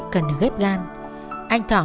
để giúp anh thọ